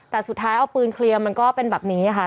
แต่สุดท้ายเอาปืนเคลียร์มันก็เป็นแบบนี้ค่ะ